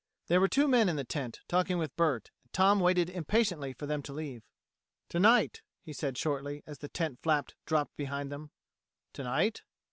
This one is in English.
There were two men in the tent, talking with Bert, and Tom waited impatiently for them to leave. "Tonight," he said shortly, as the tent flap dropped behind them. "Tonight?"